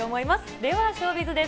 では、ショービズです。